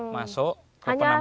masuk ke penampungan